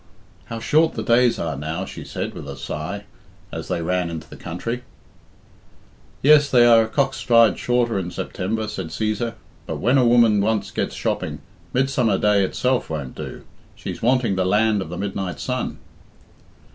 "How short the days are now," she said with a sigh, as they ran into the country. "Yes, they are a cock's stride shorter in September," said Cæsar; "but when a woman once gets shopping, Midsummer day itself won't do she's wanting the land of the midnight sun."